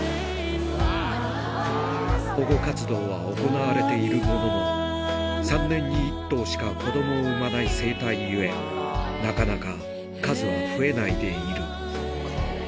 保護活動は行われているものの、３年に１頭しか子どもを産まない生態ゆえ、なかなか数は増えないでいる。